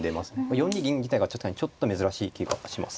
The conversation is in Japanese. ４二銀自体がちょっとねちょっと珍しい気がします。